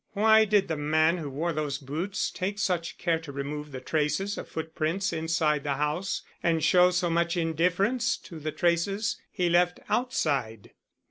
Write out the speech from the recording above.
"Why did the man who wore those boots take such care to remove the traces of footprints inside the house and show so much indifference to the traces he left outside?"